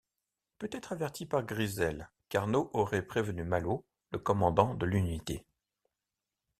Peut-être averti par Grisel, Carnot aurait prévenu Malo, le commandant de l'unité.